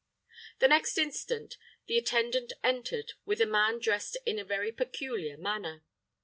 The next instant, the attendant entered with a man dressed in a very peculiar manner.